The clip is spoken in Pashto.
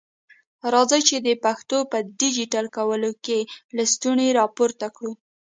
راځئ چي د پښتو په ډيجيټل کولو کي لستوڼي را پورته کړو.